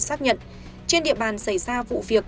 xác nhận trên địa bàn xảy ra vụ việc